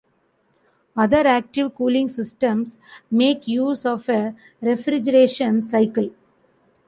Other active cooling systems make use of a refrigeration cycle.